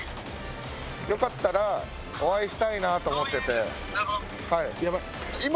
よかったらお会いしたいなと思ってて。